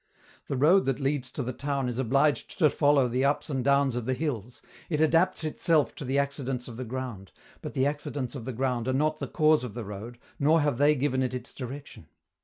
The road that leads to the town is obliged to follow the ups and downs of the hills; it adapts itself to the accidents of the ground; but the accidents of the ground are not the cause of the road, nor have they given it its direction.